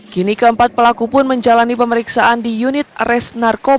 kini keempat pelaku pun menjalani pemeriksaan di unit res narkoba